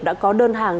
đã có đơn hàng